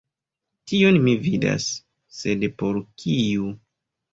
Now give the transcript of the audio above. Tion mi vidas..., sed por kiu?